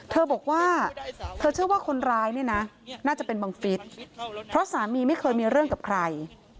เธอบอกว่าเธอเชื่อว่าคนร้ายเนี่ยนะน่าจะเป็นบังฟิศเพราะสามีไม่เคยมีเรื่องกับใคร